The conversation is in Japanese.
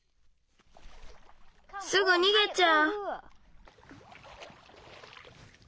すぐにげちゃう。